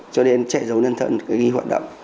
cho nên trẻ giàu nhân thân ghi hoạt động